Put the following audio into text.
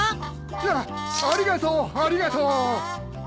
やっありがとうありがとう！